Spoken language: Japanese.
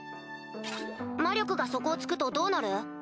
魔力が底を突くとどうなる？